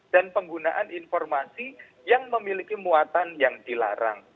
dan penggunaan informasi yang memiliki muatan yang dilarang